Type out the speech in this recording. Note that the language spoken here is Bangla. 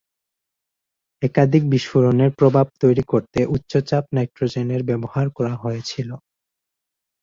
একাধিক বিস্ফোরণের প্রভাব তৈরি করতে উচ্চ-চাপ নাইট্রোজেন ব্যবহার করা হয়েছিল।